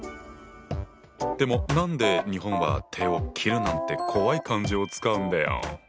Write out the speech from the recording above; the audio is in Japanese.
でも何で日本は手を切るなんて怖い漢字を使うんだよ？